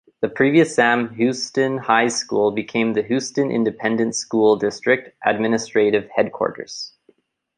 The previous Sam Houston High School became the Houston Independent School District administrative headquarters.